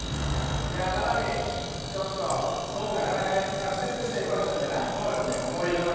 七海ちょっとなかなか作戦としてはよかったんじゃない？